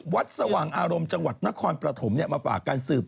สว่างอารมณ์จังหวัดนครปฐมมาฝากการสืบ